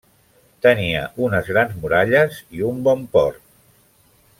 Tenia unes grans muralles i un bon port.